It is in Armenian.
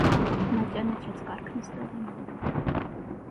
նա ճանաչեց կառք նստողին.